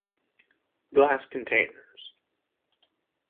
Glass containers